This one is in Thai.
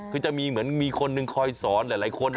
คือจะมีเหมือนมีคนหนึ่งคอยสอนหลายคน